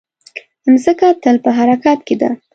مځکه تل په حرکت کې ده.